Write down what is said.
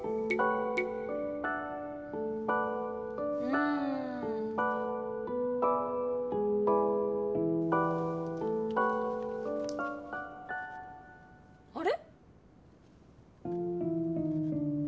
うん。あれ？